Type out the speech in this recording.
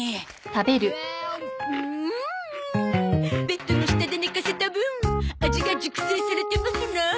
ベッドの下で寝かせた分味が熟成されてますなあ。